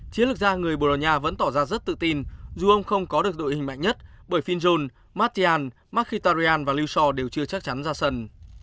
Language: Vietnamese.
chiến lược gia người bologna vẫn tỏ ra rất tự tin dù ông không có được đội hình mạnh nhất bởi finjol martial makhitaryan và lusor đều chưa chắc chắn ra sân